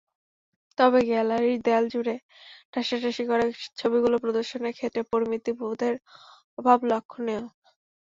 তবে গ্যালারির দেয়ালজুড়ে ঠাসাঠাসি করে ছবিগুলো প্রদর্শনের ক্ষেত্রে পরিমিতি বোধের অভাব লক্ষণীয়।